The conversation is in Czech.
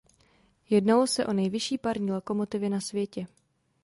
Jednalo se o největší parní lokomotivy na světě.